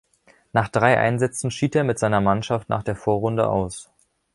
Nach drei Einsätzen schied er mit seiner Mannschaft nach der Vorrunde aus.